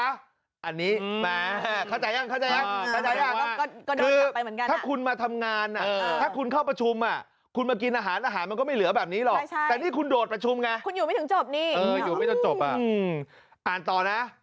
อันนี้มาเข้าใจยังคือถ้าคุณมาทำงานถ้าคุณเข้าประชุมคุณมากินอาหารอาหารมันก็ไม่เหลือแบบนี้หรอก